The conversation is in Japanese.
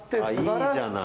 いいじゃない。